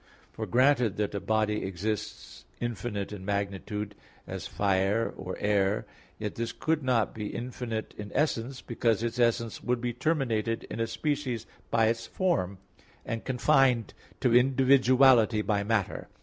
For granted that a body exists infinite in magnitude, as fire or air, yet this could not be infinite in essence, because its essence would be terminated in a species by its form, and confined to individuality by matter.